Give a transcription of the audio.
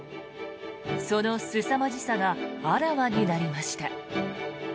そのすさまじさがあらわになりました。